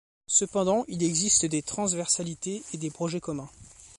Cependant, il existe des transversalités et des projets communs.